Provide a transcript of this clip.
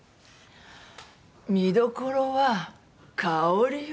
見どころはかおりよ。